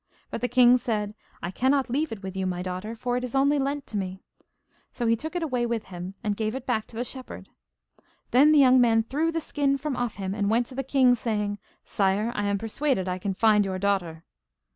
But the king said: 'I cannot leave it with you, my daughter, for it is only lent to me.' So he took it away with him, and gave it back to the shepherd. Then the young man threw the skin from off him, and went to the king, saying: 'Sire, I am persuaded I can find your daughter.